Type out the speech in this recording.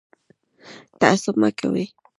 تعصب مه کوئ